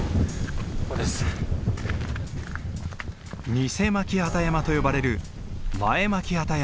ニセ巻機山と呼ばれる前巻機山。